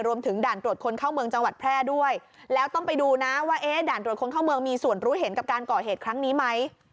ด่านตรวจคนเข้าเมืองจังหวัดแพร่ด้วยแล้วต้องไปดูนะว่าเอ๊ะด่านตรวจคนเข้าเมืองมีส่วนรู้เห็นกับการก่อเหตุครั้งนี้ไหม